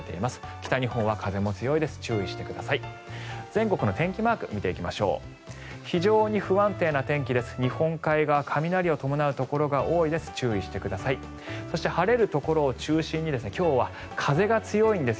北日本は風も強いです。